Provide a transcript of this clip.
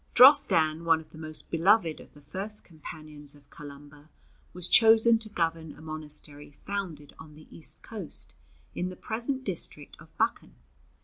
Drostan, one of the most beloved of the first companions of Columba, was chosen to govern a monastery founded on the east coast in the present district of Buchan.